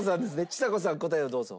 ちさ子さん答えをどうぞ。